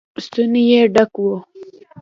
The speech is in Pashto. ستونی يې ډک و.